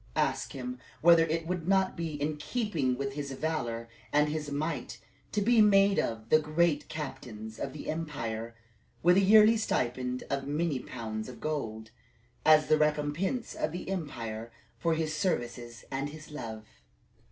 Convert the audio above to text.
Ask him whether it would not be in keeping with his valor and his might to be made one of the great captains of the empire, with a yearly stipend of many pounds of gold, as the recompense of the emperor for his services and his love."